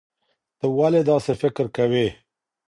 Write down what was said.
ته ولې داسې فکر کوې؟